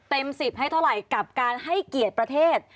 ๑๐ให้เท่าไหร่กับการให้เกียรติประเทศ